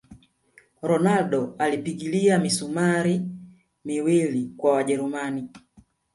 ronaldo alipigilia misumali miwili kwa wajerumani